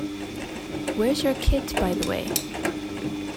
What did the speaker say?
Where’s your kit, by the way?